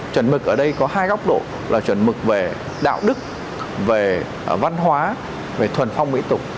chuẩn mực ở đây có hai góc độ là chuẩn mực về đạo đức về văn hóa về thuần phong mỹ tục